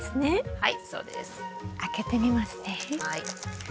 はい。